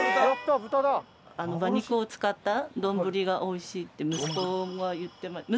馬肉を使った丼がおいしいって息子は言ってました。